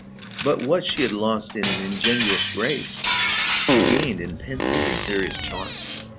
But what she had lost in ingenuous grace, she gained in pensive and serious charm.